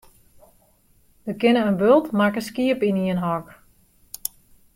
Der kinne in bult makke skiep yn ien hok.